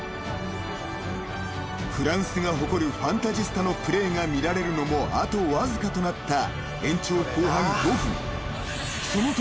［フランスが誇るファンタジスタのプレーが見られるのもあとわずかとなった］